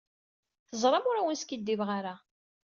Teẓṛam ur awen-skiddibeɣ ara.